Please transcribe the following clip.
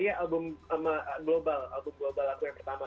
iya album sama global album global aku yang pertama